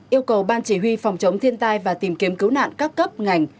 yêu cầu ban chỉ huy phòng chống thiên tai và tìm kiếm cứu nạn các cấp ngành